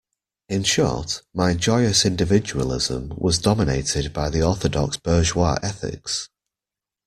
In short, my joyous individualism was dominated by the orthodox bourgeois ethics.